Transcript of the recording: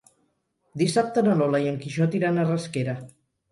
Dissabte na Lola i en Quixot iran a Rasquera.